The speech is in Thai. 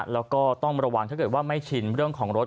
แล้วก็ต้องระวังถ้าเกิดว่าไม่ชินเรื่องของรถ